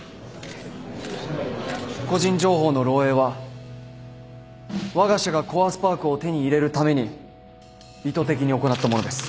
個人情報の漏えいはわが社がコアスパークを手に入れるために意図的に行ったものです。